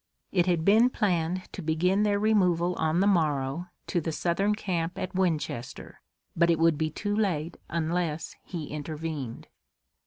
It had been planned to begin their removal on the morrow to the Southern camp at Winchester, but it would be too late unless he intervened.